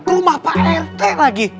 rumah pak rt lagi